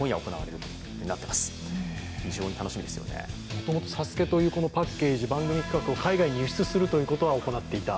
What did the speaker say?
もともと「ＳＡＳＵＫＥ」という番組企画を海外に輸出することは行っていた。